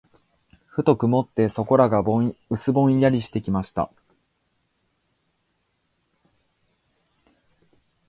ふと曇って、そこらが薄ぼんやりしてきました。